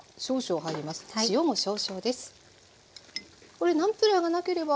これナムプラーがなければ。